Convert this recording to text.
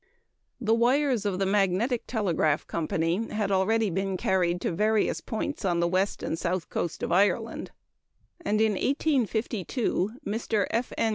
The wires of the Magnetic Telegraph Company had already been carried to various points on the west and south coast of Ireland; and, in 1852, Mr. F. N.